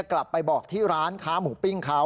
กลับไปบอกที่ร้านค้าหมูปิ้งเขา